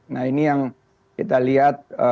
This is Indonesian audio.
nah ini yang kita lihat